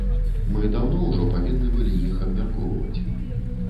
Мы даўно ўжо павінны былі іх абмяркоўваць.